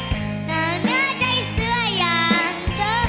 หน้าเนื้อใจเสื้ออย่างเธอ